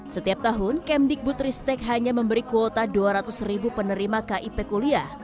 setiap tahun kemdikbud ristek hanya memberi kuota dua ratus ribu penerima kip kuliah